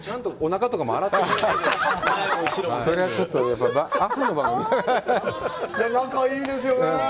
仲がいいですよね。